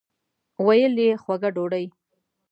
ویل یې خوږه ډوډۍ.